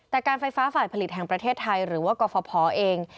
แต่การไฟฟ้าฝ่ายผลิตแห่งประเทศไทยหรือว่ากรฟภเอง